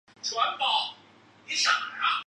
是桂林市重点中学之一。